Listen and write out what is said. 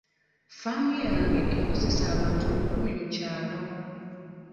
Ffaamu yange ekozesa abantu lukumi mu kyalo.